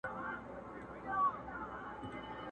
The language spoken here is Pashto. قافلې د سوداگرو يې لوټلې.!